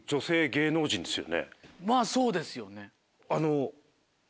まぁそうですよね。